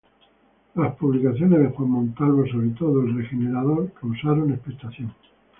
Las publicaciones de Juan Montalvo, sobre todo "El Regenerador", causaron expectación.